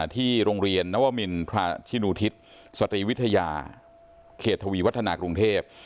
ที่โรงเรียนนวมินทราชินูทิศสตรีวิทยาเขตทวีวัฒนากรุงเทพ